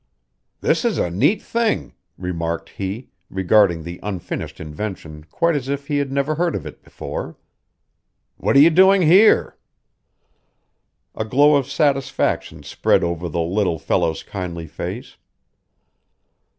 "This is a neat thing," remarked he, regarding the unfinished invention quite as if he had never heard of it before. "What are you doing here?" A glow of satisfaction spread over the little fellow's kindly face.